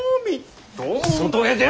外へ出ろ！